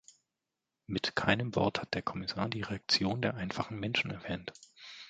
Mit keinem Wort hat der Kommissar die Reaktionen der einfachen Menschen erwähnt.